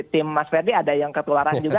tim mas ferdi ada yang ketularan juga